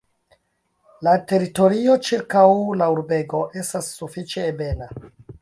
La teritorio ĉirkaŭ la urbego estas sufiĉe ebena.